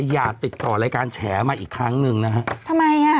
อย่าติดต่อรายการแฉมาอีกครั้งหนึ่งนะฮะทำไมอ่ะ